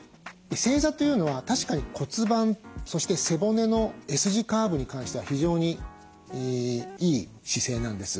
正座というのは確かに骨盤そして背骨のＳ字カーブに関しては非常にいい姿勢なんです。